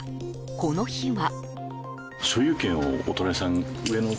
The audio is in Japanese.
この日は。